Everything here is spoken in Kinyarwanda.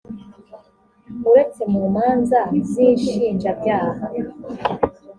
uretse mu manza z’inshinjabyaha